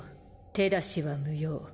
手出しは無用。